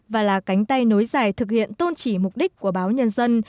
và là cánh tay nối dài thực hiện tôn trị mục đích của báo nhân dân